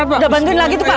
udah bantuin lagi tuh pak